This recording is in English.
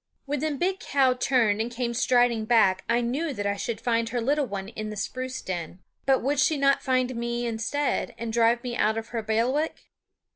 When the big cow turned and came striding back I knew that I should find her little one in the spruce den. But would she not find me, instead, and drive me out of her bailiwick?